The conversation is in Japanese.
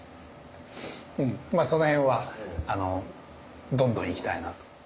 まあそのへんはどんどんいきたいな。